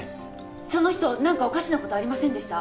その人何かおかしなことありませんでした？